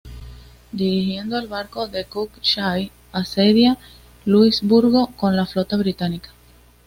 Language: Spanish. Dirigiendo el barco de Cook, Shay asedia Luisburgo con la flota británica.